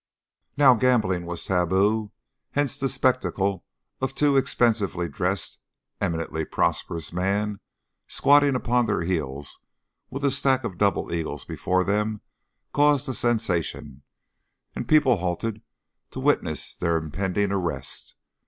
Now gambling was taboo, hence the spectacle of two expensively dressed, eminently prosperous men squatting upon their heels with a stack of double eagles before them caused a sensation, and people halted to witness their impending arrest.